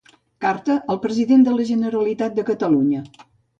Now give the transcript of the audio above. Carta al president de la Generalitat de Catalunya.